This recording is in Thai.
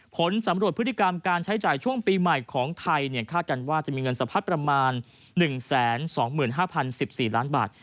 ผลสำรวจพฤติกรรมการใช้จ่ายช่วงปีใหม่ของไทยคาดกันว่าจะมีเงินสะพัดประมาณ๑๒๕๐๑๔ล้านบาท